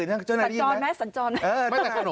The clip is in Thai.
เอออยากให้สัญจรไหมสัญจร